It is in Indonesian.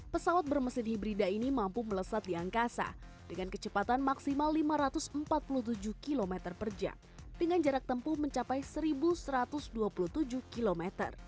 pesawat bermesin hibrida ini mampu melesat di angkasa dengan kecepatan maksimal lima ratus empat puluh tujuh km per jam dengan jarak tempuh mencapai satu satu ratus dua puluh tujuh km